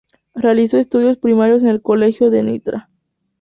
Realizó estudios primarios en el "Colegio de Ntra.